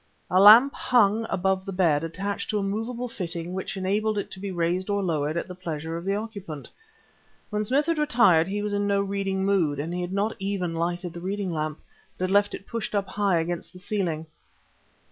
A lamp hung above the bed, attached to a movable fitting, which enabled it to be raised or lowered at the pleasure of the occupant. When Smith had retired he was in no reading mood, and he had not even lighted the reading lamp, but had left it pushed high up against the ceiling.